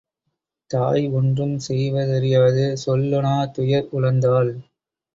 தாய் ஒன்றும் செய்வதறியாது சொல் லொணாத்துயர் உழந்தாள்.